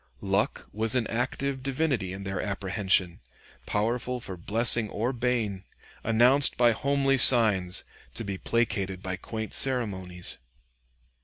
Luck was an active divinity in their apprehension, powerful for blessing or bane, announced by homely signs, to be placated by quaint ceremonies.